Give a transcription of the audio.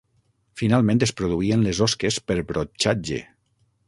Finalment es produïen les osques per brotxatge.